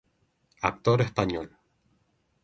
Actor español.